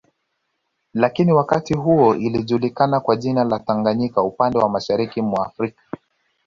Lakini wakati huo ilijulikana kwa jina la Tanganyika upande wa Mashariki mwa Afrika